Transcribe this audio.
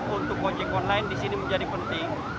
untuk ojek online disini menjadi penting